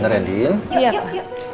claire ia benar ya din